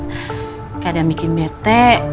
kayak ada yang bikin bete